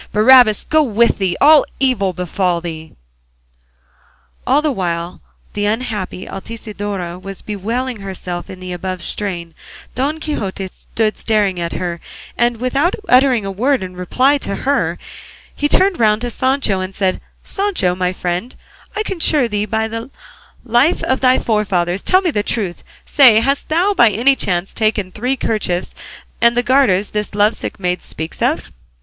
Barabbas go with thee! All evil befall thee! All the while the unhappy Altisidora was bewailing herself in the above strain Don Quixote stood staring at her; and without uttering a word in reply to her he turned round to Sancho and said, "Sancho my friend, I conjure thee by the life of thy forefathers tell me the truth; say, hast thou by any chance taken the three kerchiefs and the garters this love sick maid speaks of?"